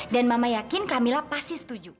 dan mama yakin kamilah pasti setuju